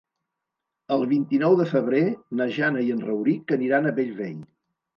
El vint-i-nou de febrer na Jana i en Rauric aniran a Bellvei.